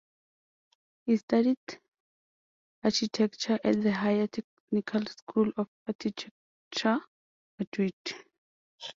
He studied Architecture at the Higher Technical School of Architecture of Madrid.